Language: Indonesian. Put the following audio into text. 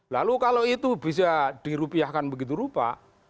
lalu kalau itu bisa dirupiahkan begitu rupa